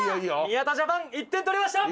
宮田ジャパン１点取りました！